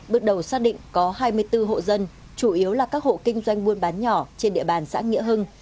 bước đầu xác định có hai mươi bốn hộ dân chủ yếu là các hộ kinh doanh buôn bán nhỏ trên địa bàn xã nghĩa hưng